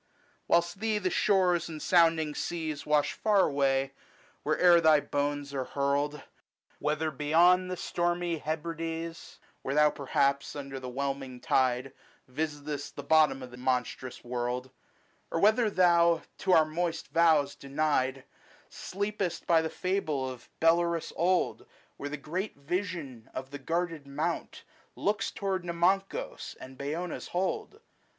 whilst thee the shores and sounding seas Wash far away, where'er thy bones are hurled ; Whether beyond the stormy Hebrides, Where thou perhaps under the whelming tide Visit'st the bottom of the monstrous world ; Or whether thou, to our moist vows denied, Sleep'st by the fable of Bellerus old, 160 Where the great Vision of the guarded, mount Looks toward Namancos and Bayona's hold.